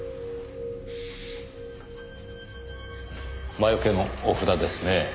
魔よけのお札ですねぇ。